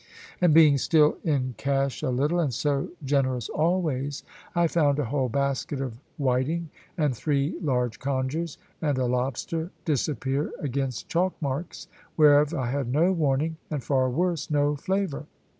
And being still in cash a little, and so generous always, I found a whole basket of whiting, and three large congers, and a lobster, disappear against chalk marks, whereof I had no warning, and far worse, no flavour.